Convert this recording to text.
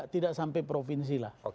tidak sampai provinsi lah